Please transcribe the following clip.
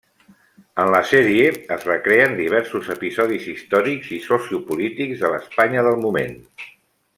En la sèrie es recreen diversos episodis històrics i sociopolítics de l'Espanya del moment.